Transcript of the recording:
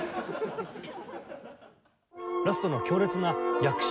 ラストの強烈な訳詞。